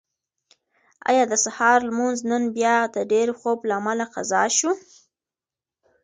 ایا د سهار لمونځ نن بیا د ډېر خوب له امله قضا شو؟